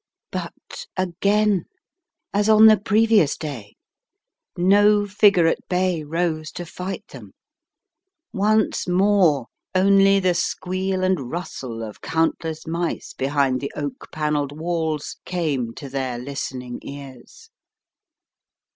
But again, as on the previous day, no figure at bay rose to fight them. Once more only the squeal and rustle of countless mice behind the oak panelled Walls came to their listening ears.